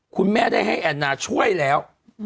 คุณแม่ได้ให้แอนนาช่วยแล้ว